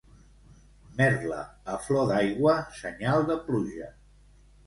Merla a flor d'aigua, senyal de pluja.